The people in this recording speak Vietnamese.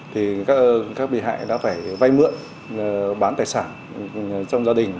thì các bị hại đã phải vay mượn bán tài sản trong gia đình